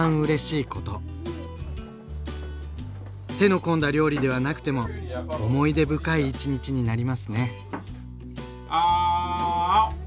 手の込んだ料理ではなくても思い出深い１日になりますね。